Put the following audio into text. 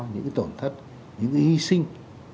những tổn thất những hy sinh